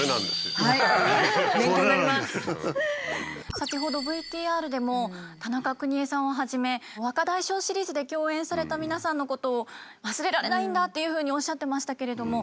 先ほどＶＴＲでも田中邦衛さんをはじめ「若大将」シリーズで共演された皆さんのことを忘れられないんだっていうふうにおっしゃってましたけれども。